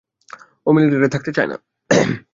ও মিলিটারিতে থাকতে চায় না।